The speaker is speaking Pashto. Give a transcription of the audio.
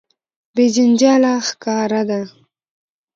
بې جنجاله ښکاره ده.